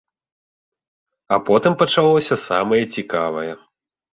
А потым пачалося самае цікавае.